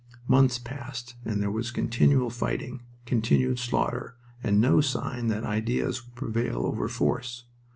Months passed, and there was continual fighting, continued slaughter, and no sign that ideas would prevail over force.